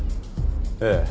ええ。